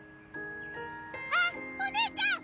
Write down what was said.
あっお姉ちゃん！